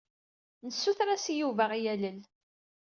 Nessuter-as i Yuba ad aɣ-yalel.